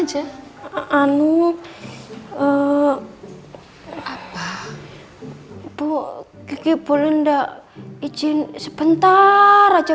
mau dibawa kemana reina